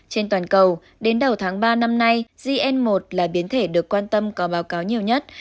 trên toàn cầu đến đầu tháng ba năm nay zn một là biến thể được quan tâm có báo cáo nhiều nhất